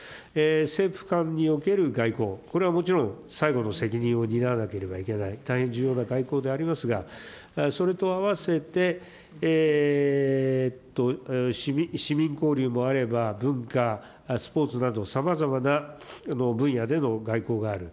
政府間における外交、これはもちろん、最後の責任を担わなければならない、大変重要な外交でありますが、それとあわせて、市民交流もあれば文化、スポーツなど、さまざまな分野での外交がある。